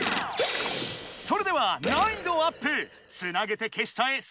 それでは難易度アップ「つなげて消しちゃえ！